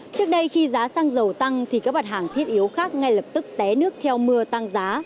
trước đây khi giá xăng dầu tăng thì các mặt hàng thiết yếu khác ngay lập tức té nước theo mưa tăng giá